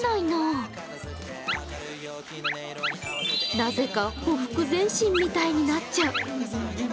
なぜかほふく前進みたいになっちゃう。